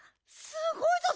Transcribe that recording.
すごいぞ！